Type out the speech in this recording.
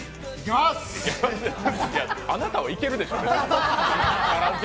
あなたはいけるでしょうね。